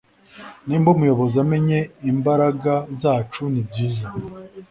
niba umuyobozi amenye imbaragazacu ni byiza